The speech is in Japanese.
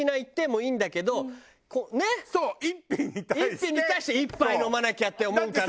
１品に対して１杯飲まなきゃって思うから。